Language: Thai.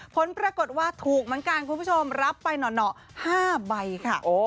ผลปรากฏว่าถูกเหมือนกันคุณผู้ชมรับไปหน่อ๕ใบค่ะ